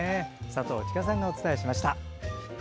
佐藤千佳さんがお伝えしました。